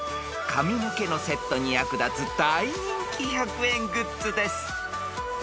［髪の毛のセットに役立つ大人気１００円グッズです］